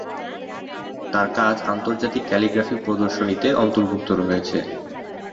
তাঁর কাজ আন্তর্জাতিক ক্যালিগ্রাফি প্রদর্শনীতে অন্তর্ভুক্ত হয়েছে।